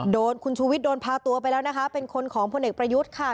โดนคุณชูวิทย์โดนพาตัวไปแล้วนะคะเป็นคนของพลเอกประยุทธ์ค่ะ